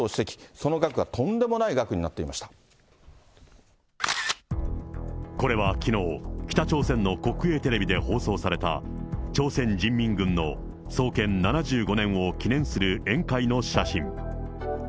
その額はとんこれはきのう、北朝鮮の国営テレビで放送された、朝鮮人民軍の創建７５年を記念する宴会の写真。